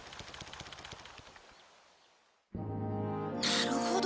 なるほど。